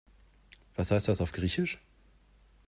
Was heißt das auf Griechisch?